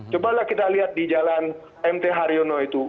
cobalah kita lihat di jalan mt haryono itu